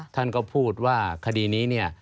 ท่านก็พูดว่าคดีนี้เนี่ย